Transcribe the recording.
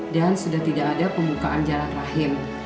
dan sudah tidak ada pembukaan jarak rahim